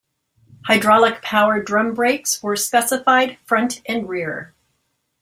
Hydraulic power drum brakes were specified front and rear.